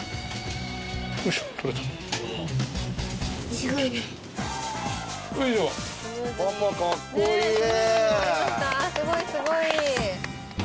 すごいすごい！